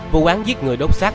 vụ án giết người đốt sát